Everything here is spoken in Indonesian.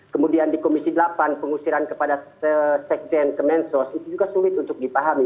kemudian di komisi delapan pengusiran kepada sekjen kemensos itu juga sulit untuk dipahami